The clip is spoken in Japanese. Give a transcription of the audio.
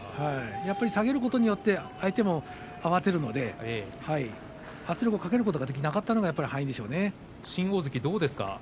やはり下げることによって相手も慌てるので、圧力をかけることができなかったのはやはり敗因でしょうね。